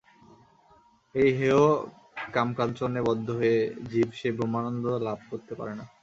এই হেয় কামকাঞ্চনে বদ্ধ হয়ে জীব সে ব্রহ্মানন্দ লাভ করতে পারে না।